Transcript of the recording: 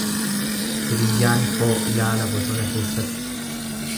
Hiriyyaan koo ilaala bosona keessatti.